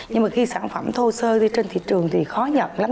nhưng mà khi sản phẩm thô sơ đi trên thị trường thì khó nhận lắm